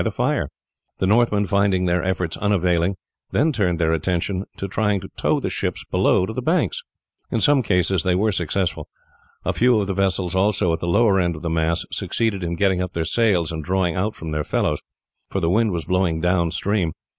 The Northmen, finding their efforts unavailing, then turned their attention to trying to tow the ships below to the banks. In some cases they were successful. A few of the vessels also at the lower end of the mass succeeded in getting up their sails and drawing out from their fellows, for the wind was blowing down stream.